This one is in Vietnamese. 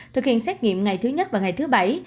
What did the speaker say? thực hiện xét nghiệm ngày thứ nhất và ngày thứ bảy